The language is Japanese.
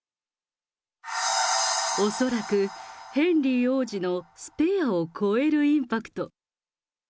恐らくヘンリー王子のスペアを超えるインパクト。